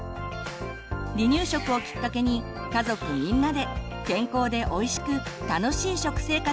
離乳食をきっかけに家族みんなで健康でおいしく楽しい食生活にしたいですね。